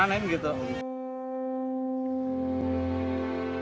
di usia yang semakin senja